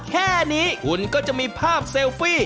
แค่นี้คุณก็จะมีภาพเซลฟี่